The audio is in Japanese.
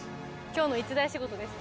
今日の一大仕事です。